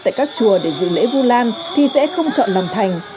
tại các chùa để dự lễ vu lan thì sẽ không chọn lòng thành